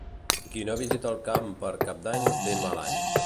Qui no visita el camp per Cap d'Any té mal any.